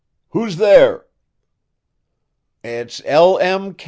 "Who's there?" "It is L. M.